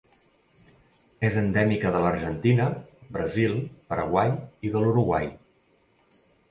És endèmica de l'Argentina, Brasil, Paraguai i de l'Uruguai.